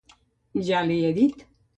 Ja l'hi he dit.